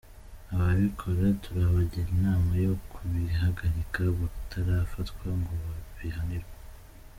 Ababikora turabagira inama yo kubihagarika batarafatwa ngo babihanirwe.